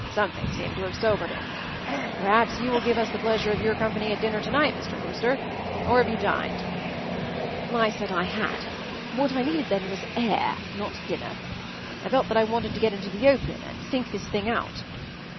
Something seemed to have sobered him. Perhaps you will give us the pleasure of your company at dinner to night, Mr. Wooster? Or have you dined?” I said I had. What I needed then was air, not dinner. I felt that I wanted to get into the open and think this thing out.